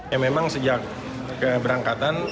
ya memang sejak keberangkatan